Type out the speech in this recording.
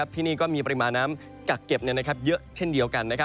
ที่นี่ก็มีปริมาณน้ำกักเก็บเยอะเช่นเดียวกัน